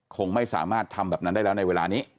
คงไม่สามารถทำแบบนั้นได้แล้วในเวลานี้